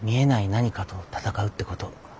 何かと闘うってこと。